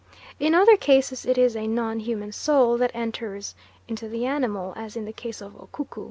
In other cases it is a non human soul that enters into the animal, as in the case of Ukuku.